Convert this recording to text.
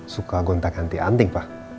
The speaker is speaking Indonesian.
suka gontak andi andi pak